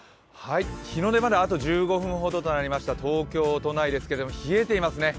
日の出まであと１５分ほどとなりました東京都内ですけれども、冷えてますね。